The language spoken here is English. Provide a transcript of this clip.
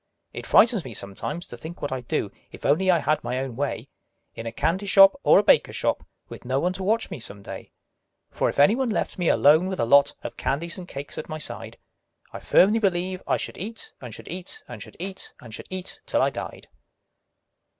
It frightens me sometimes, to think what I'd do, If only I had my own way In a candy shop or a baker shop, Witn no one to watch me, some day. For if any one left me alone with a lot Of candies and cakes at my side, I firmly believe I should eat, and should eat, And should eat, and should eat, till I died.